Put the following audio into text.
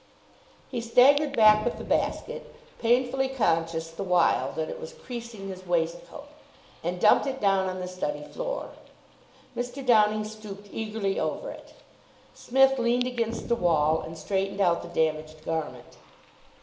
He staggered back with the basket, painfully conscious the while that it was creasing his waistcoat, and dumped is down on the study floor. Mr. Downing stooped eagerly over it. Psmith leaned against the wall, and straightened out the damaged garment.